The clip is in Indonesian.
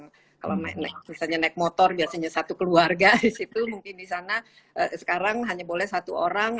kalau misalnya naik motor biasanya satu keluarga di situ mungkin di sana sekarang hanya boleh satu orang